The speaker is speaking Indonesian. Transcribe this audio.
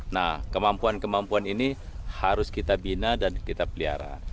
nah kemampuan kemampuan ini harus kita bina dan kita pelihara